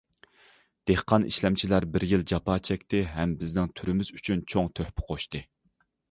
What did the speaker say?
دېھقان ئىشلەمچىلەر بىر يىل جاپا چەكتى ھەم بىزنىڭ تۈرىمىز ئۈچۈن چوڭ تۆھپە قوشتى.